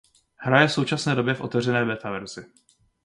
Hra je v současné době v otevřené beta verzi.